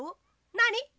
なに？